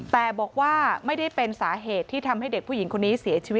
แต่บอกว่าไม่ได้เป็นสาเหตุที่ทำให้เด็กผู้หญิงคนนี้เสียชีวิต